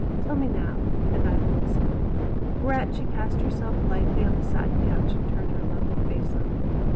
Tell me now and I will listen." Whereat she cast herself lithely on the satin couch and turned her lovely face on me.